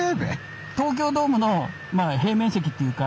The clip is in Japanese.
東京ドームの平面積っていうか